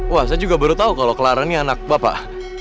wah saya juga baru tahu kalau kelarang ini anak bapak